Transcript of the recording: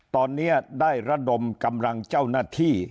ตอนนี้ได้ระดมกำลังเจ้าหน้าที่